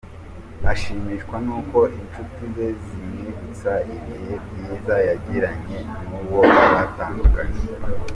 Ashimishwa n’uko inshuti ze zimwibutsa ibihe byiza yagiranye n'uwo batandukanye.